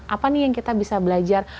apa nih yang kita bisa belajar